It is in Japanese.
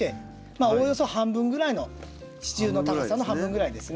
おおよそ半分ぐらいの支柱の高さの半分ぐらいですね。